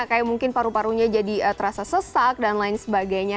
kayak mungkin paru parunya jadi terasa sesak dan lain sebagainya